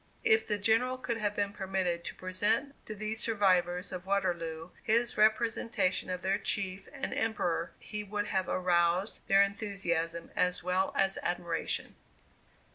If the General could have been permitted to present to these survivors of Waterloo his representation of their chief and Emperor, he would have aroused their enthusiasm as well as admiration.